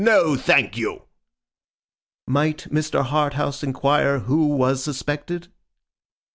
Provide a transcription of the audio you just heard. No, thank you!' Might Mr. Harthouse inquire Who was suspected?